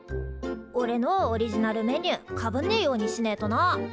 おれのオジリナルメニューかぶんねえようにしねえとな。